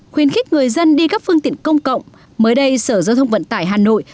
khuyến khích người dân đi các phương tiện công cộng mới đây sở giao thông vận tải hà nội